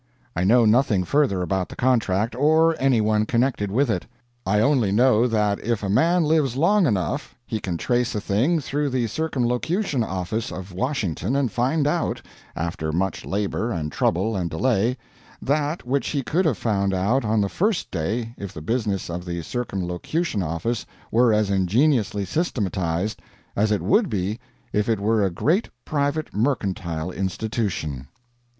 I know nothing further about the contract, or any one connected with it. I only know that if a man lives long enough he can trace a thing through the Circumlocution Office of Washington and find out, after much labor and trouble and delay, that which he could have found out on the first day if the business of the Circumlocution Office were as ingeniously systematized as it would be if it were a great private mercantile institution.